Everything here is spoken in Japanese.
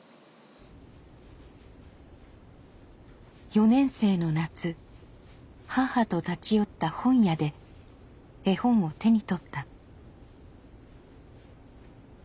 ４年生の夏母と立ち寄った本屋で絵本を手に取った。